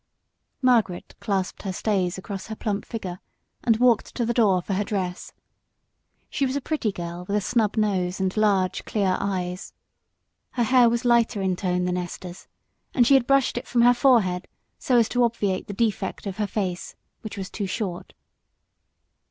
Margaret clasped her stays across her plump figure and walked to the door for her dress. She was a pretty girl, with a snub nose and large, clear eyes. Her hair was lighter in tone than Esther's, and she had brushed it from her forehead so as to obviate the defect of her face, which was too short.